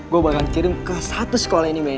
gue bakal kirim ke satu sekolah ini